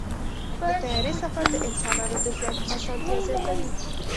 د طیارې سفر د انسانانو د ژوند اسانتیا زیاتوي.